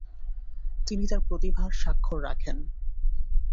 তিনি তার প্রতিভার স্বাক্ষর রাখেন।